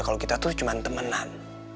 kalo kita tuh cuman temenan